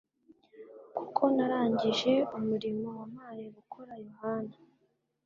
Kuko narangije umurimo wampaye gukora yohana